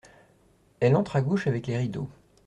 Elle entre à gauche avec les rideaux.